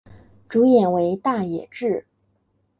主演为大野智。